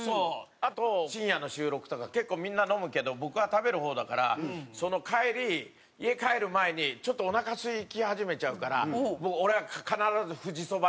あと深夜の収録とか結構みんな飲むけど僕は食べる方だからその帰り家帰る前にちょっとおなかすき始めちゃうから俺は必ず富士そば寄ってミニカレーを食べる。